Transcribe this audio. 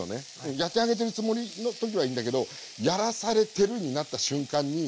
やってあげてるつもりの時はいいんだけど「やらされてる」になった瞬間にこれはね